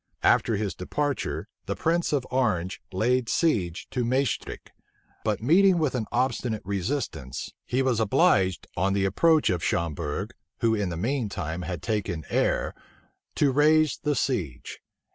After his departure, the prince of Orange laid siege to Maestricht; but meeting with an obstinate resistance, he was obliged, on the approach of Schomberg, who in the mean time had taken Aire, to raise the siege.